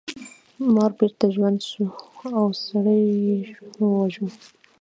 مار بیرته ژوندی شو او سړی یې وواژه.